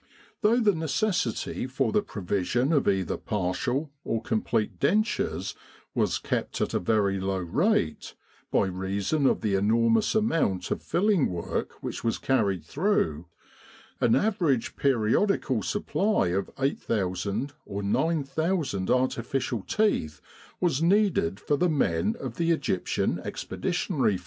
Though the necessity for the provision of either partial or complete dentures was kept at a very low rate, by reason of the enormous amount of filling work which was carried through, an average periodical supply of 8,000 or 9,000 artificial teeth was needed for the men of the E.E.F.